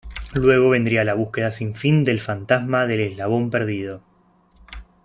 Luego vendría la búsqueda sin fin del fantasma del eslabón perdido.